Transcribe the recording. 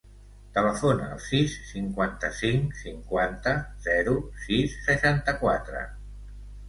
Telefona al sis, cinquanta-cinc, cinquanta, zero, sis, seixanta-quatre.